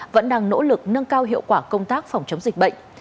vẫn đang nỗ lực nâng cao hiệu quả công tác phòng chống dịch bệnh